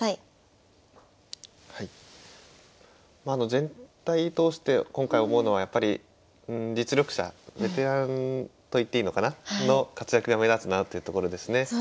まああの全体通して今回思うのはやっぱり実力者ベテランといっていいのかなの活躍が目立つなというところですね。